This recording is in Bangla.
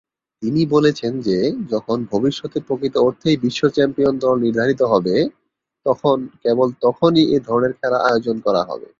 তিনি বলেছেন যে, যখন ভবিষ্যতে প্রকৃত অর্থেই বিশ্ব চ্যাম্পিয়ন দল নির্ধারিত হবে, কেবল তখনই এ ধরনের খেলা আয়োজন করা হবে।